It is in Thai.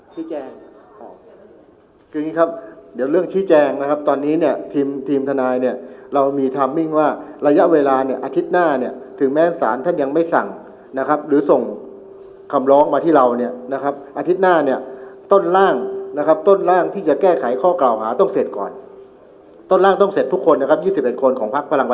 ชี้แจงคืออย่างนี้ครับเดี๋ยวเรื่องชี้แจงนะครับตอนนี้เนี่ยทีมทีมทนายเนี่ยเรามีไทมมิ่งว่าระยะเวลาเนี่ยอาทิตย์หน้าเนี่ยถึงแม้สารท่านยังไม่สั่งนะครับหรือส่งคำร้องมาที่เราเนี่ยนะครับอาทิตย์หน้าเนี่ยต้นร่างนะครับต้นร่างที่จะแก้ไขข้อกล่าวหาต้องเสร็จก่อนต้นร่างต้องเสร็จทุกคนนะครับ๒๑คนของพักพลัง